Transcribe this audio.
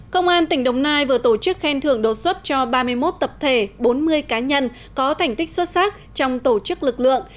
công an tỉnh đồng nai vừa tổ chức khen thưởng đột xuất cho ba mươi một tập thể bốn mươi cá nhân có thành tích xuất sắc trong tổ chức lực lượng